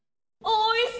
おいしい！